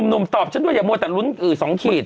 หนุ่มตอบฉันด้วยอย่ามัวแต่ลุ้น๒ขีด